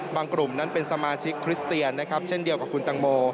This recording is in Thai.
กลุ่มนั้นเป็นสมาชิกคริสเตียนนะครับเช่นเดียวกับคุณตังโม